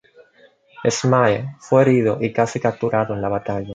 Ismāʽīl fue herido y casi capturado en la batalla.